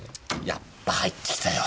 やっぱ入ってきたよ。